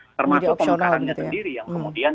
itu adalah pembukaannya sendiri yang kemudian